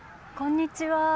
あこんにちは。